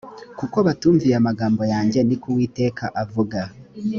kuko batumviye amagambo yanjye ni ko uwiteka avuga